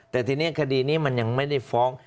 แต่ทีนี้คดีนี้มันยังไม่ได้ฟ้อง